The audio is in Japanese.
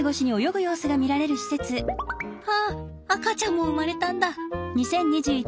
あっ赤ちゃんも生まれたんだ。